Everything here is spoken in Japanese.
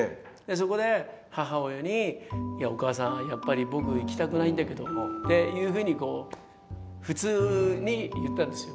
そこで母親に「いやお母さんやっぱり僕行きたくないんだけど」っていうふうに普通に言ったんですよ。